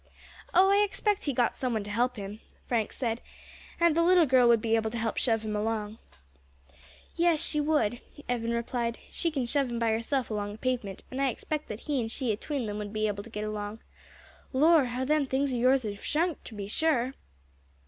"Oh, I expect he got some one to help him," Frank said; "and the little girl would be able to help shove him along." "Yes, she would," Evan replied, "she can shove him by herself along a pavement, and I expect that he and she atween them would be able to get along. Lor! how them things of yours have shrunk, to be sure."